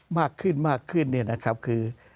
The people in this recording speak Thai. มากขึ้นเนี่ยนะครับคือ